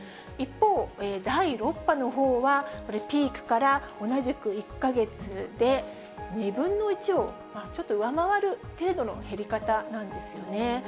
一方、第６波のほうは、これ、ピークから同じく１か月で、２分の１をちょっと上回る程度の減り方なんですよね。